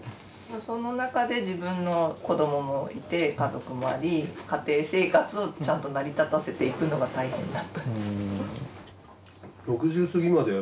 その中で自分の子どももいて家族もあり家庭生活をちゃんと成り立たせていくのが大変だったんです。